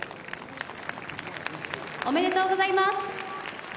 おめでとうございます。